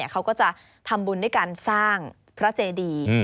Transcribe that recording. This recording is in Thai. เขาก็จะทำบุญด้วยการสร้างพระเจดี